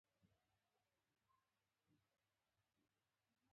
خو ميرويس خان د خبرو موقع ونه مونده.